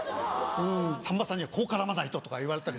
「さんまさんにはこう絡まないと」とか言われたり。